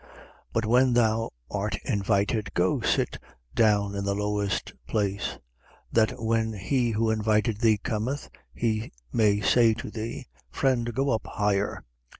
14:10. But when thou art invited, go, sit down in the lowest place; that when he who invited thee cometh, he may say to thee: Friend, go up higher.